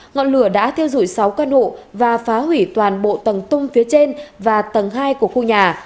ngọn lửa đã thiêu dụi sáu căn hộ và phá hủy toàn bộ tầng tung phía trên và tầng hai của khu nhà